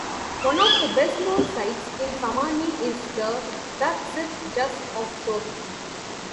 One of the best known sites in Samani is the that sit just offshore.